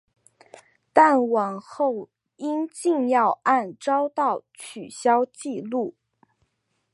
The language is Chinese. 但往后因禁药案遭到取消记录。